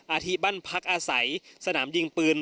อาทิตย์บ้านพักอาศัยสนามยิงปืน